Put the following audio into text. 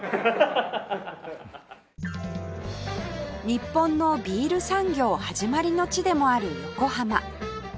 日本のビール産業始まりの地でもある横浜